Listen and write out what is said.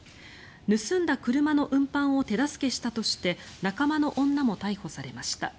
盗んだ車の運搬を手助けしたとして仲間の女も逮捕されました。